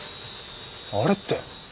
あれって。